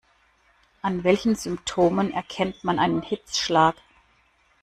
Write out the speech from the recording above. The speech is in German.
An welchen Symptomen erkennt man einen Hitzschlag?